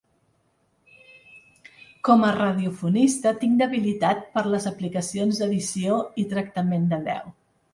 Com a radiofonista tinc debilitat per les aplicacions d’edició i tractament de veu.